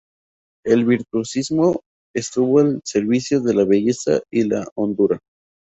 El virtuosismo estuvo al servicio de la belleza y la hondura.